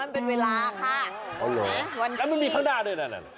เป็นเวลาค่ะวันที่แล้วมันมีข้างหน้าด้วยนะ